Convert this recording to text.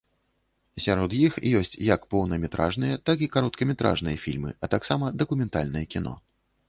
Сярод іх ёсць як поўнаметражныя, так і кароткаметражныя фільмы, а таксама дакументальнае кіно.